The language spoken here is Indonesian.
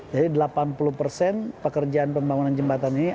jadi delapan puluh persen pekerjaan pembangunan jembatan ini